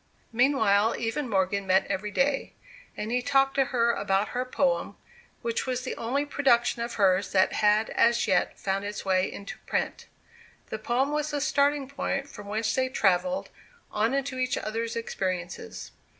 Meanwhile Eve and Morgan met every day; and he talked to her about her poem, which was the only production of hers that had as yet found its way into print. The poem was the starting point from whence they travelled on into each other's experiences.